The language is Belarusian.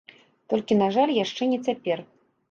Толькі на жаль яшчэ не цяпер.